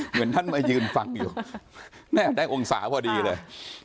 เหมือนท่านมายืนฟังอยู่แม่ได้องศาพอดีเลย